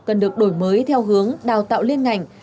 cần được đổi mới theo hướng đào tạo liên ngành